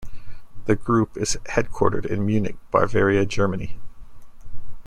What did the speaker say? The group is headquartered in Munich, Bavaria, Germany.